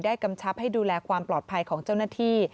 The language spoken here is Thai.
กำชับให้ดูแลความปลอดภัยของเจ้าหน้าที่